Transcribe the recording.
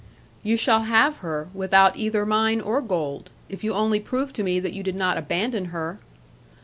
'You shall have her, without either mine or gold; if you only prove to me that you did not abandon her.'